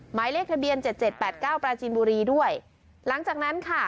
หมายเลขทะเบียนเจ็ดเจ็ดแปดเก้าปราจินบุรีด้วยหลังจากนั้นค่ะ